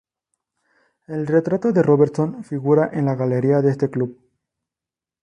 El retrato de Robertson figura en la galería de este club.